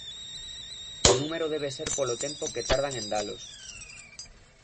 O número debe de ser polo tempo que tardan en dalos.